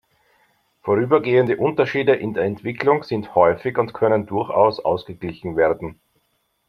Vorübergehende Unterschiede in der Entwicklung sind häufig und können durchaus ausgeglichen werden.